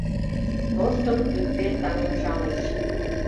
ТОШТЫН, ЛӰДДЕ, ТАҤЕМ-ШАМЫЧ